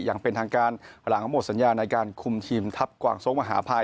อย่างเป็นทางการหลังหมดสัญญาในการคุมทีมทัพกวางโซ้งมหาภัย